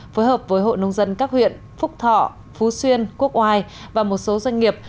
phối hợp với hội nông dân các huyện phúc thọ phú xuyên quốc oai và một số doanh nghiệp